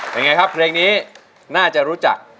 เป็นไงครับเพลงนี้น่าจะรู้จัก